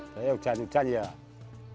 saya pilih produk kalianc